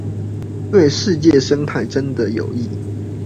對世界生態真的有益